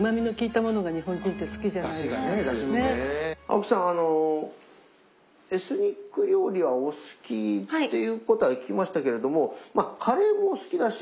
青木さんあのエスニック料理はお好きっていうことは聞きましたけれどもまあカレーも好きだし